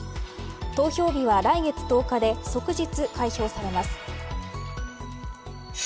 投票日は来月１０日で即日開票されます。